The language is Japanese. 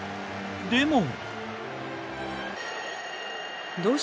でも。